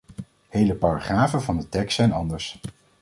Hele paragrafen van de tekst zijn anders.